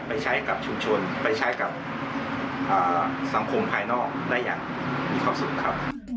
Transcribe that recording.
ไปใช้กับชุมชนไปใช้กับสังคมภายนอกได้อย่างมีความสุขครับ